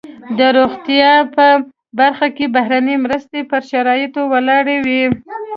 د روغتیا په برخه کې بهرنۍ مرستې پر شرایطو ولاړې وي.